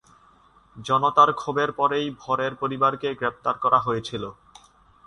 জনতার ক্ষোভের পরেই ভরের পরিবারকে গ্রেপ্তার করা হয়েছিল।